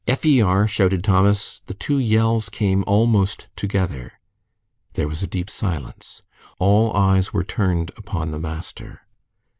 "F e r," shouted Thomas. The two yells came almost together. There was a deep silence. All eyes were turned upon the master.